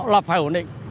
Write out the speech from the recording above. nó phải ổn định